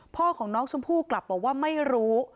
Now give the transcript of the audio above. พ่อของน้องชมพู่กลับบอกว่าไม่รู้